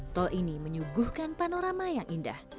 tol ini menyuguhkan panorama yang indah